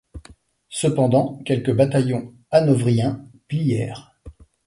Cependant quelques bataillons hanovriens plièrent.